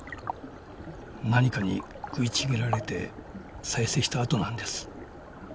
何かに食いちぎられて再生したあとなんです。